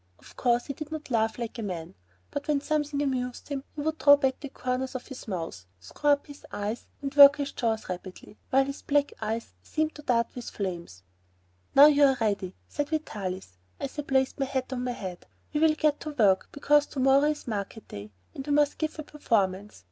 Of course, he did not laugh like a man, but when something amused him, he would draw back the corners of his mouth, screw up his eyes, and work his jaws rapidly, while his black eyes seemed to dart flames. "Now you're ready," said Vitalis, as I placed my hat on my head, "and we'll get to work, because to morrow is market day and we must give a performance.